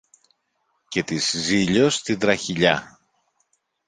και της Ζήλιως την τραχηλιά